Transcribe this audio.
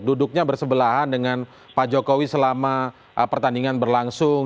duduknya bersebelahan dengan pak jokowi selama pertandingan berlangsung